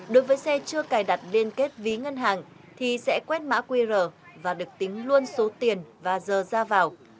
đối với xe chưa cài đặt liên kết ví ngân hàng thì sẽ quét mã qr và được tính luôn số tiền và giờ ra vào